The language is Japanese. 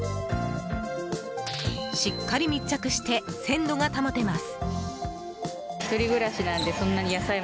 しっかり密着して鮮度が保てます。